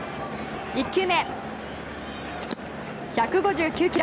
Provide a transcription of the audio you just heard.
１球目、１５９キロ。